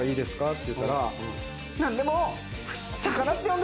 って聞いたら、何でも！